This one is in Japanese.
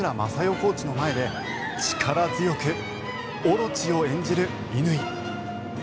コーチの前で力強くオロチを演じる乾。